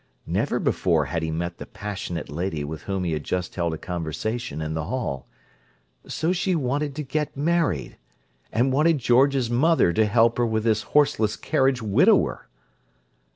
Never before had he met the passionate lady with whom he had just held a conversation in the hall. So she wanted to get married! And wanted George's mother to help her with this horseless carriage widower!